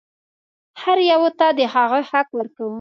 هر یوه ته د هغه حق ورکوم.